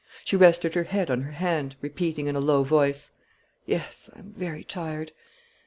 She rested her head on her hand, repeating, in a low voice, "Yes, I am very tired."